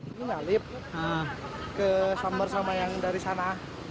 ini nyalip ke samar sama yang dari sana